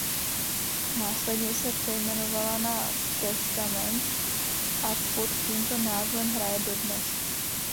Následně se přejmenovala na Testament a pod tímto názvem hraje dodnes.